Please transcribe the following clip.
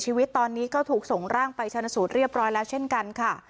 ชีวิตตอนนี้ก็ถูกส่งร่างไปชนสูตรเรียบร้อยแล้วเช่นกันค่ะ